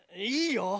いいよ。